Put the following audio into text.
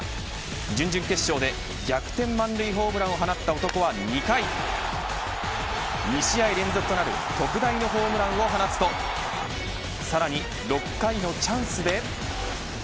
準々決勝で逆転満塁ホームランを放った男は２回２試合連続となる特大のホームランを放つとさらに６回のチャンスで。